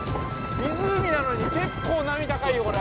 湖なのに結構波高いよ、これ。